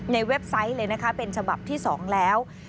เว็บไซต์เลยนะคะเป็นฉบับที่๒แล้ว